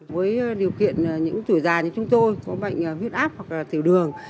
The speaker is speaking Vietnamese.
với điều kiện những tuổi già như chúng tôi có bệnh huyết áp hoặc là tiểu đường